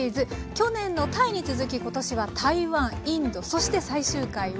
去年のタイに続き今年は台湾インドそして最終回はベトナムです。